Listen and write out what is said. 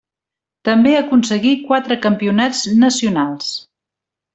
També aconseguí quatre campionats nacionals.